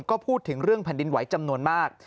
ก็พูดถึงเรื่องแผ่นดินไหวจำนวนมาก